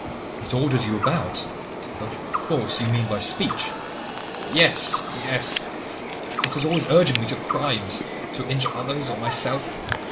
"It orders you about of course you mean by speech?" "Yes, yes; it is always urging me to crimes, to injure others, or myself.